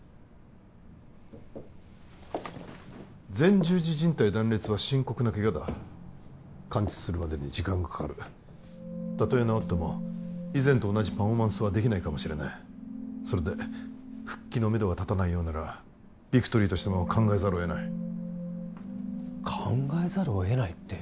前十字靱帯断裂は深刻なケガだ完治するまでに時間がかかるたとえ治っても以前と同じパフォーマンスはできないかもしれないそれで復帰のめどが立たないようならビクトリーとしても考えざるを得ない考えざるを得ないって